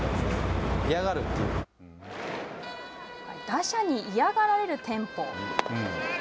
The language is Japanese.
打者に嫌がられるテンポ。